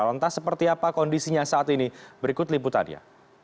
lantas seperti apa kondisinya saat ini berikut liputannya